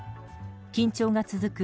緊張が続く